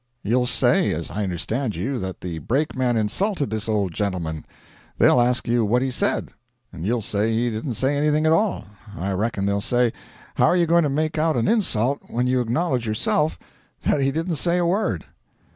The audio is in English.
You'll say as I understand you that the brakeman insulted this old gentleman. They'll ask you what he said. You'll say he didn't say anything at all. I reckon they'll say, How are you going to make out an insult when you acknowledge yourself that he didn't say a word?'